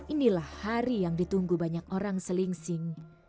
inilah hari yang ditunggu banyak orang selingsing